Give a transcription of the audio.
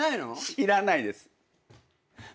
知らないです。